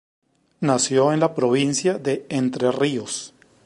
Nació en la provincia de Entre Ríos.